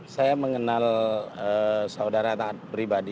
saya mengenal saudara taat pribadi